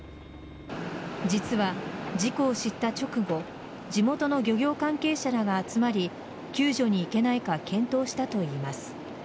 実は事故を知った直後地元の漁業関係者らが集まり救助に行けないか検討したといいます。